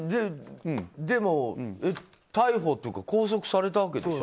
でも、逮捕とか拘束されたわけでしょ。